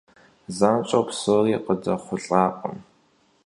Zanş'eu psori khıdexhulh'akhım.